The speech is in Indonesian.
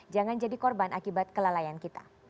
jangan jadi korban akibat kelalaian kita